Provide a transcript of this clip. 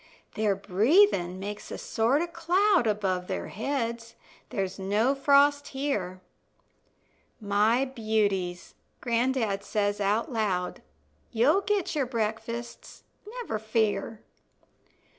Their breathin' makes a sort of cloud Above their heads there's no frost here. "My beauties," gran'dad says out loud, "You'll get your breakfasts, never fear."